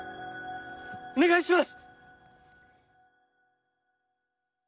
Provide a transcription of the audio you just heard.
お願いします！